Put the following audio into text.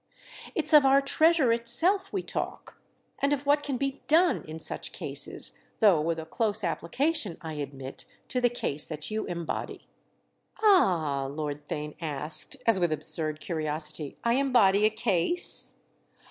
"It's of our Treasure itself we talk—and of what can be done in such cases; though with a close application, I admit, to the case that you embody." "Ah," Lord Theign asked as with absurd curiosity, "I embody a case?"